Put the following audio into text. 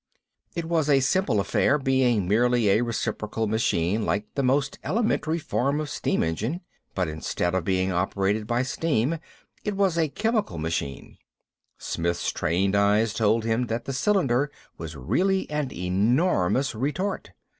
It was a simple affair, being merely a reciprocal machine like the most elementary form of steam engine. But, instead of being operated by steam, it was a chemical machine; Smith's trained eyes told him that the cylinder was really an enormous retort.